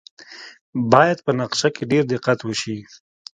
باید په نقشه کې ډیر دقت وشي